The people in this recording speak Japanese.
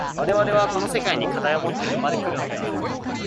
我々はこの世界に課題をもって生まれ来るのである。